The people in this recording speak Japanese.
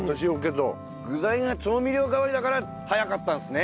具材が調味料代わりだから早かったんですね。